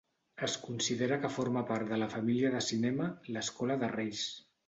Es considera que forma part de la família de cinema "L'Escola de Reis".